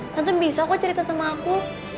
tante bisa kok cerita sama aku